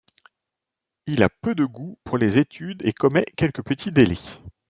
Il a peu de goût pour les études et commet quelques petits délits.